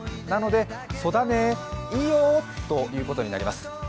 なので、そだね、いいよということになります。